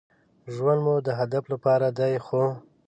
ژوند مو د هدف لپاره دی ،خو